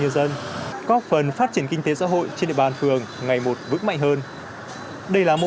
nhân dân có phần phát triển kinh tế xã hội trên địa bàn phường ngày một vững mạnh hơn đây là mô